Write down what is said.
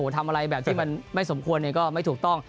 ทำอะไรแบบที่มันไม่สมควรก็ไม่ถูกต้อง